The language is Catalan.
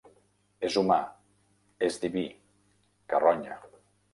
És humà, és diví, carronya.